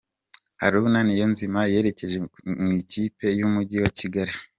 Haruna Niyonzima yerekeje mw’ikipe yumugi wa kigali